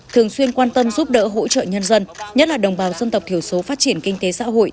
thường xuyên quan tâm giúp đỡ hỗ trợ nhân dân nhất là đồng bào dân tộc thiểu số phát triển kinh tế xã hội